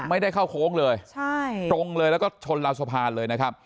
ไม่ได้เข้าโค้งเลยใช่ตรงเลยแล้วก็ชนราวสะพานเลยนะครับ